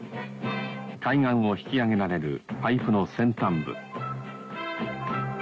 海岸を引き揚げられるパイプの先端部。